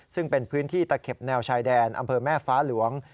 ซึ่งเป็นพื้นที่ตะเข็บแนวชายแดนอำเภอแม่ฟ้าหลวง